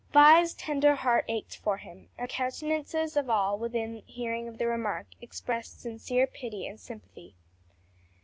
Vi's tender heart ached for him, and the countenances of all within hearing of the remark expressed sincere pity and sympathy.